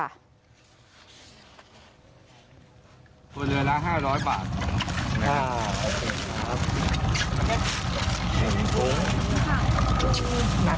ตัวเรือละห้าร้อยบาทหรือไหมครับ